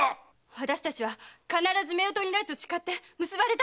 私たちは必ず夫婦になると誓って結ばれたんです。